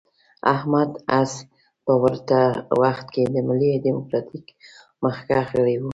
احمد عز په ورته وخت کې د ملي ډیموکراتیک مخکښ غړی و.